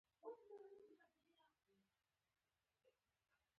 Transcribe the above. د محبت او میینې یوستر ارمان اوسیږې